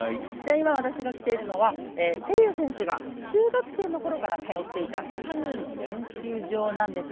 私が来ているのは瀬立選手が中学生のころから通っていたカヌーの練習場なんです。